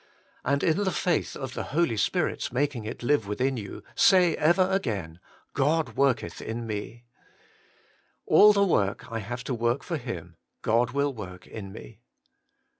And in the faith of the Holy Spirit's making it live within you, say ever again: God zvorketh in me. All the work I have to work for Him, God will work in me.